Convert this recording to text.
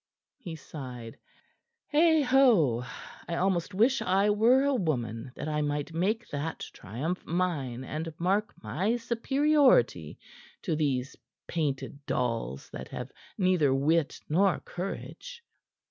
He sighed. "Heigho! I almost wish I were a woman, that I might make that triumph mine and mark my superiority to these painted dolls that have neither wit nor courage."